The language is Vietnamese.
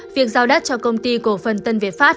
việc giao đất cho công ty cổ phần tân việt pháp